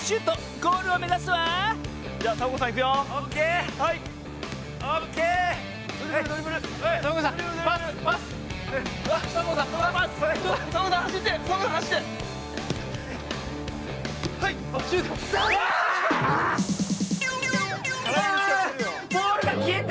ボールがきえた！